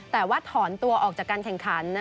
แต่ว่าถอนตัวออกจากการแข่งขัน